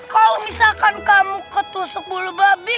kalau misalkan kamu ketusuk bulu babi